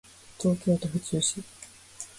東京都府中市